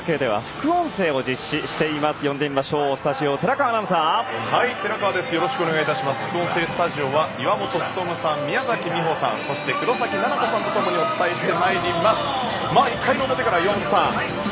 副音声スタジオは岩本勉さん、宮崎美穂さんそして、黒嵜菜々子さんとともにお伝えしてまいります。